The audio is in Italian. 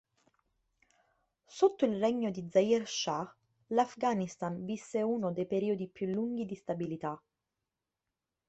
Sotto il regno di Zahir Shahl'Afghanistan visse uno dei periodi più lunghi di stabilità.